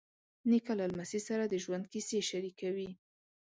نیکه له لمسي سره د ژوند کیسې شریکوي.